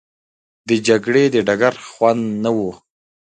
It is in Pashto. د جګړې د ډګر خوند نه وو.